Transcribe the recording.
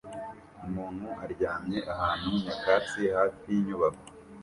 Umuntu aryamye ahantu nyakatsi hafi yinyubako